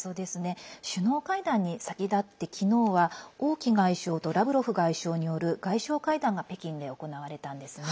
首脳会談に先立って昨日は王毅外相とラブロフ外相による外相会談が北京で行われたんです。